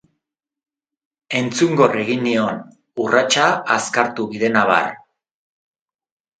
Entzungor egin nion, urratsa azkartu bidenabar.